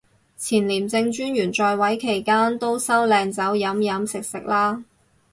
前廉政專員在位期間都收靚酒飲飲食食啦